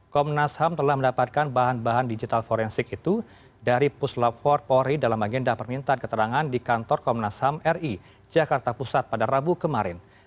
komnas ham telah mendapatkan bahan bahan digital forensik itu dari puslap empat polri dalam agenda permintaan keterangan di kantor komnas ham ri jakarta pusat pada rabu kemarin